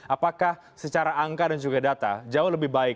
apakah secara angka dan juga data jauh lebih baik